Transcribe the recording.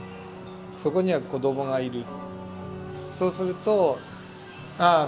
そこには子どもがいる。